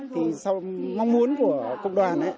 thì sau mong muốn của công đoàn